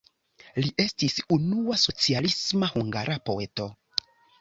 Li estis la unua socialisma hungara poeto.